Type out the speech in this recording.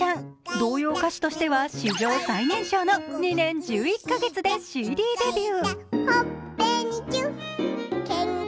童謡歌手としては史上最年少の２年１１カ月でＣＤデビュー。